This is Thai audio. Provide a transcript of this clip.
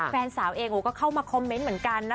แฟนสาวเองก็เข้ามาคอมเมนต์เหมือนกันนะ